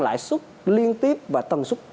lại suất liên tiếp và tầng suất